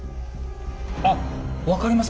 あっ分かります